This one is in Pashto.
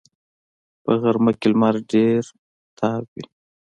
په غرمه کې لمر ډېر تاو وي